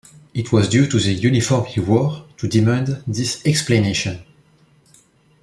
It was due to the uniform he wore, to demand this explanation.